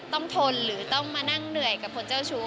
ทนหรือต้องมานั่งเหนื่อยกับคนเจ้าชู้